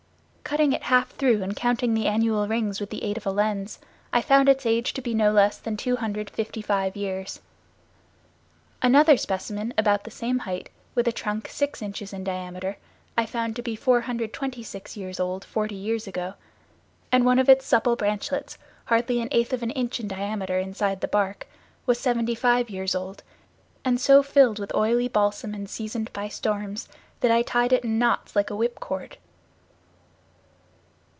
Cutting it half through and counting the annual rings with the aid of a lens, I found its age to be no less than 255 years. Another specimen about the same height, with a trunk six inches in diameter, I found to be 426 years old, forty years ago; and one of its supple branchlets hardly an eighth of an inch in diameter inside the bark, was seventy five years old, and so filled with oily balsam and seasoned by storms that I tied it in knots like a whip cord.